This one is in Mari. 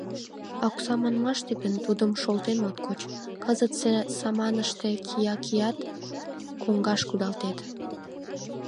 А окса манмаште гын, тудым шолтен от коч, кызытсе саманыште кия-кият, коҥгаш кудалтет.